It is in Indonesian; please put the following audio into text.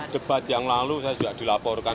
debat yang lalu saya sudah dilaporkan